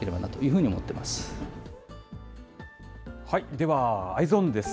ではＥｙｅｓｏｎです。